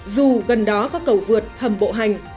dù gần đó có cầu vượt hầm bộ hành